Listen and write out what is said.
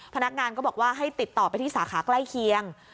พนักงานก็บอกว่าให้ติดต่อไปที่สาขาใกล้เคียง